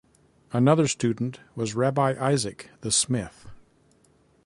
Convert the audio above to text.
Another student was Rabbi Isaac the smith.